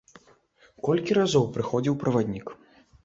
Колькі разоў прыходзіў праваднік.